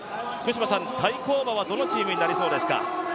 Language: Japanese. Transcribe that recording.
対抗馬はどのチームになりそうですか？